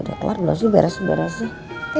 udah kelar belum sih beras berasnya